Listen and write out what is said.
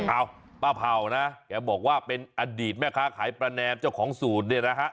เอ้าป้าเภานะแกบอกว่าเป็นอดีตไหมคะขายปลาแนมเจ้าของศูนย์เนี่ยนะฮะ